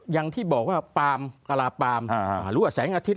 อย่างที่บอกว่าปาล์มกราปาล์มหรือว่าแสงอาทิตย